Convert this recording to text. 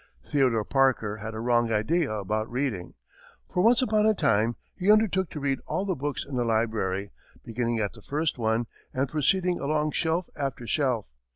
Theodore Parker had a wrong idea about reading, for once upon a time he undertook to read all the books in a library, beginning at the first one and proceeding along shelf after shelf.